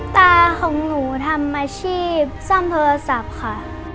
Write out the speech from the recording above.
ตาของหนูทำอาชีพซ่อมโทรศัพท์ค่ะ